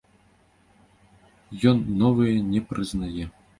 Ён новыя не прызнае.